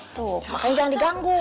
tuh makanya jangan diganggu